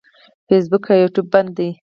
فیسبوک او یوټیوب بند دي.